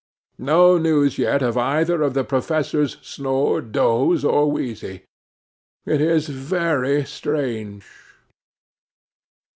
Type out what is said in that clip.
'No news yet of either of the Professors Snore, Doze, or Wheezy. It is very strange!